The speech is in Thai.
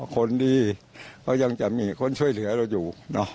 คนดีเขายังจะมีคนช่วยเหลือเราอยู่